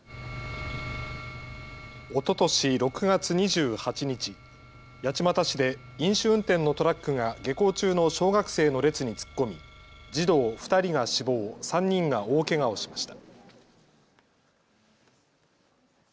おととし６月２８日、八街市で飲酒運転のトラックが下校中の小学生の列に突っ込み児童２人が死亡、３人が大けがをしました。